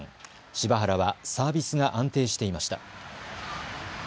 柴原はサービスが安定していました。